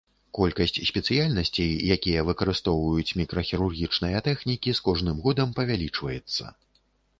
Колькасць спецыяльнасцей, якія выкарыстоўваюць мікрахірургічныя тэхнікі, з кожным годам павялічваецца.